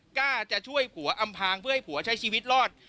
กล้าจะช่วยผัวอำพางเพื่อให้ผัวใช้ชีวิตรอด